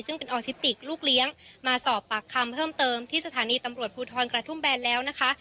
ซึ่งเป็นออทิติกลูกเลี้ยงมาสอบปากคำเพิ่มเติมที่สถานีตำรวจภูทรกระทุ่มแบนแล้วนะคะ